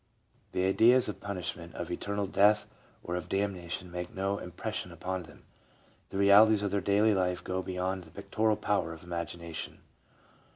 The ideas of punishment, of eternal death or of damnation make no impres sion upon them ; the realities of their daily life go beyond the pictorial power of imagination.